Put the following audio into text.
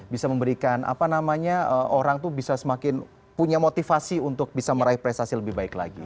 bisa memberikan apa namanya orang tuh bisa semakin punya motivasi untuk bisa meraih prestasi lebih baik lagi